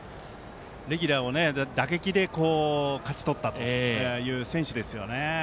レギュラーを打撃で勝ち取ったという選手ですよね。